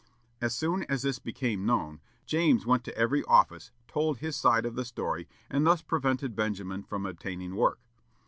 As soon as this became known, James went to every office, told his side of the story, and thus prevented Benjamin from obtaining work.